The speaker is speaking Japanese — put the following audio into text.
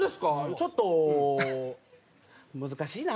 ちょっと難しいな。